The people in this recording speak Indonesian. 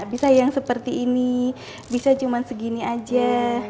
bisa yang seperti ini bisa cuma segini aja